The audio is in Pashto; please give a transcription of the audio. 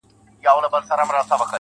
زخمي ـ زخمي سترګي که زما وویني.